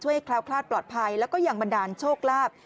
ให้แคล้วคลาดปลอดภัยแล้วก็ยังบันดาลโชคลาภ